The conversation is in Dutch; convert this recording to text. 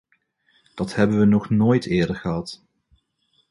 Dat hebben we nog nooit eerder gehad.